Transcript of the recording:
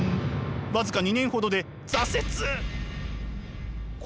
僅か２年ほどで挫折！